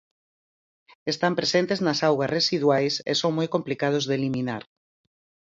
Están presentes nas augas residuais e son moi complicados de eliminar.